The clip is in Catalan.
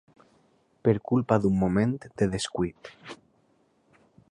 Per culpa d'un moment de descuit